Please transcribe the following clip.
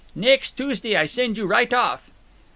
"Next Tuesday I send you right off."